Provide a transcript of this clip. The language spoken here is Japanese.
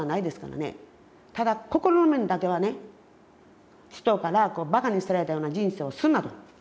ただ心の面だけはね人からバカにされたような人生をするなと。